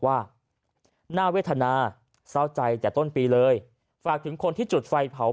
ว่าน่าเวทนาเศร้าใจแต่ต้นปีเลยฝากถึงคนที่จุดไฟเผา